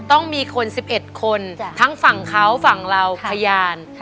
ต้องมีคน๑๑คนทั้งฝั่งเขาฝั่งเราพยาน